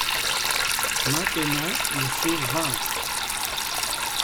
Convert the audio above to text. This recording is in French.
Maintenant il faut vaincre.